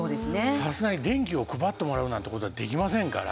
さすがに電気を配ってもらうなんて事はできませんから。